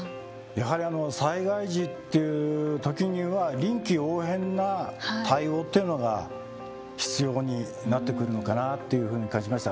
やはりあの災害時という時には臨機応変な対応というのが必要になってくるのかなというふうに感じました。